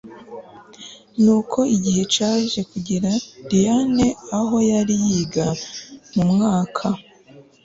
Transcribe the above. Nuko igihe caje kugera Diane aho yari yiga mumwaka